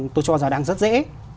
tôi cho rằng đang rất dễ